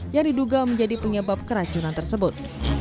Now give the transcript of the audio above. yang diduga menjadi penyebab keracunan tersebut